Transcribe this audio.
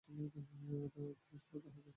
না, এখনই শোনাতে হবে।